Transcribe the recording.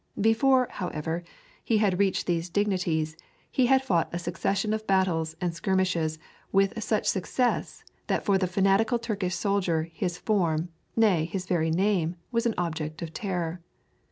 Before, however, he had reached these dignities he had fought a succession of battles and skirmishes with such success that for the fanatical Turkish soldiery his form, nay, his very name was an object of terror.